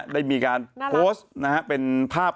ได้มีการโพสต์นะฮะ